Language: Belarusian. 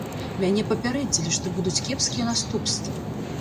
Мяне папярэдзілі, што будуць кепскія наступствы.